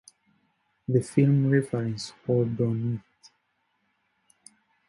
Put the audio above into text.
The film reference Whodoneit!